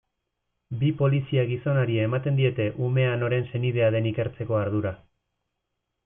Bi polizia-gizonari ematen diete umea noren senidea den ikertzeko ardura.